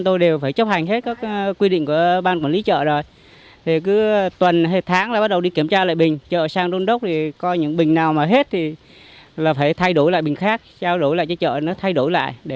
tuy nhiên một trong những tình trạng trở lại